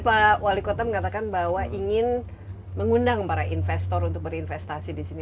pak wali kota mengatakan bahwa ingin mengundang para investor untuk berinvestasi di sini